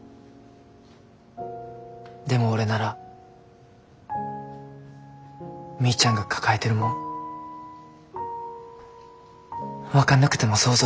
でも俺ならみーちゃんが抱えてるもん分かんなくても想像できる。